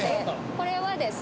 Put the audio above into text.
これはですね